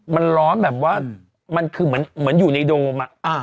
มันร้อนแบบว่ามันคือเหมือนอยู่ในโดม